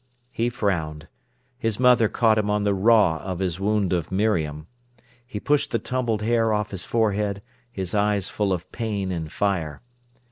He frowned. His mother caught him on the raw of his wound of Miriam. He pushed the tumbled hair off his forehead, his eyes full of pain and fire.